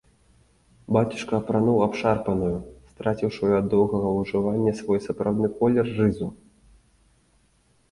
Бацюшка апрануў абшарпаную, страціўшую ад доўгага ўжывання свой сапраўдны колер, рызу.